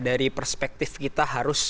dari perspektif kita